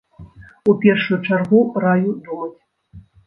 У першую чаргу раю думаць.